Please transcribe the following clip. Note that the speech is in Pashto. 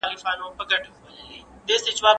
د کوچیانو هویت باید د وخت په تیریدو سره پاتې شي.